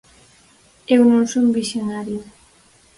Eu non son visionario.